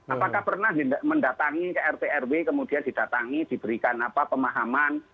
apakah pernah mendatangi ke rt rw kemudian didatangi diberikan pemahaman